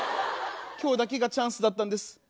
今日だけがチャンスだったんです。